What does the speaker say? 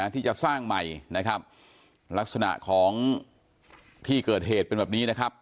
ที่จะสร้างใหม่นะครับลักษณะของที่เกิดเหตุเป็นแบบนี้นะครับ